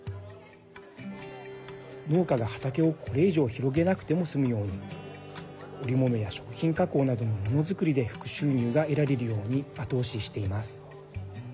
農家が畑を、これ以上広げなくても済むように織物や食品加工などのものづくりで副収入が得られるように後押ししています。